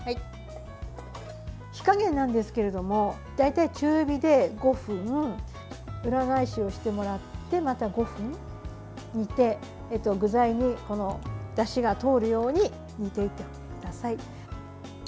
火加減なんですけれども大体中火で５分裏返しをしてもらってまた５分煮て具材にだしが通るように煮てください。